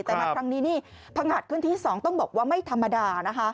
แต่วันครั้งนี้ผงัดขึ้นที่๒ต้องบอกว่าไม่ธรรมดา